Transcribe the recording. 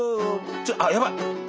ちょっあっやばい！